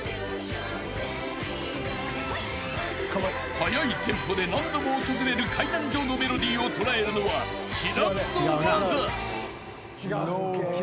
［速いテンポで何度も訪れる階段状のメロディーを捉えるのは至難の業］